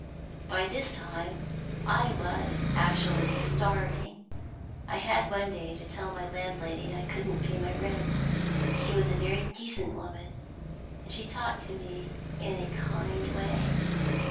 "By this time I was actually starving. I had one day to tell my landlady I couldn't pay my rent. She was a very decent woman, and she talked to me in a kind way.